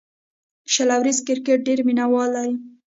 شل اوریز کرکټ ډېر مینه وال لري.